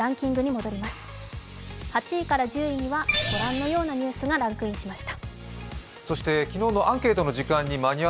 ８位から１０位にはご覧のようなニュースがランクインしました。